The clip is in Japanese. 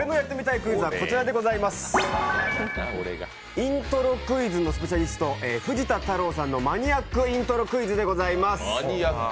イントロクイズのスペシャリスト・藤田太郎さんのマニアックイントロクイズでございます。